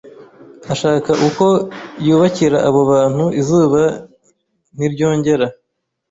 ashaka uko yubakira abo bantu izuba ntiryongera